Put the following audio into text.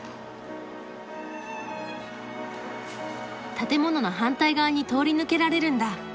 建物の反対側に通り抜けられるんだ。